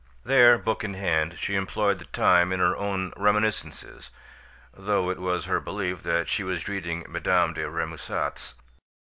There, book in hand, she employed the time in her own reminiscences, though it was her belief that she was reading Madame de Remusat's.